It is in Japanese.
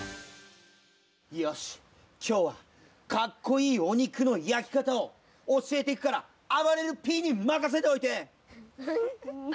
よしきょうはかっこいいおにくのやきかたをおしえていくからあばれるＰにまかせておいて！